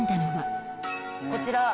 こちら。